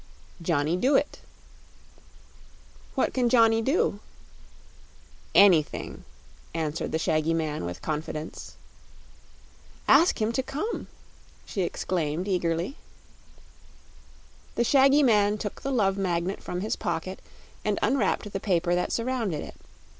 "Johnny Dooit." "What can Johnny do?" "Anything," answered the shaggy man, with confidence. "Ask him to come," she exclaimed, eagerly. The shaggy man took the Love Magnet from his pocket and unwrapped the paper that surrounded it.